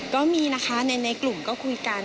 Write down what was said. ก็มีนะคะในกลุ่มก็คุยกัน